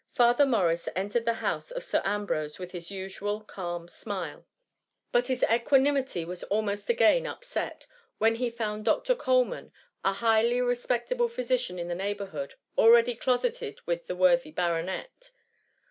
Father Morris entered the house of Sir Ambrose with his usual calm smile; but his THE MUMMY. 131 equanimity was almost again upset, when he found Dr. Coleman, a highly respectable phy sician in the neighbourhood, already closeted with the worthy baronet.